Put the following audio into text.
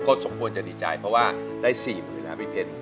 ก็สมควรจะดีใจเพราะว่าได้๔๐๐๐แล้วพี่เพชร